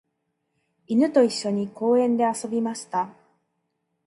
犬と一緒に公園で遊びました。